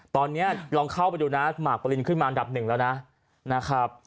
ตอนนี้ลองเข้าไปดูนะหมากปรินขึ้นมาอันดับหนึ่งแล้วนะนะครับ